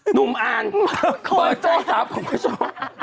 หนุ่มอ่านเปิดโทรศัพท์ของผู้ชม